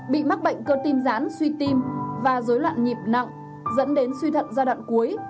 bị mắc bệnh cơ tim rán suy tim và dối loạn nhịp nặng dẫn đến suy thận giai đoạn cuối